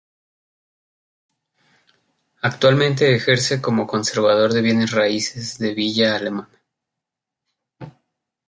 Actualmente ejerce como Conservador de Bienes Raíces de Villa Alemana.